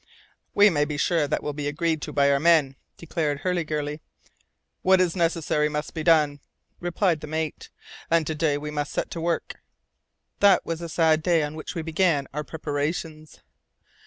"We may be sure that will be agreed to by our men," declared Hurliguerly. "What is necessary must be done," replied the mate, "and to day we must set to work." That was a sad day on which we began our preparations.